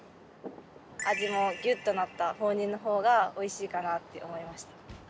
味もギュッとなった放任の方がおいしいかなって思いました。